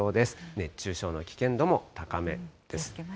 熱中症の危険度も高めです。